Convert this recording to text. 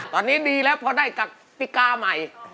ตอนนี้ดีแล้วพอได้กติกาใหม่